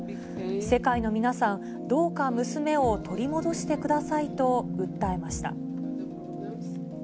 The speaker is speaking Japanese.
世界の皆さん、どうか娘を取り戻してくださいと訴えました。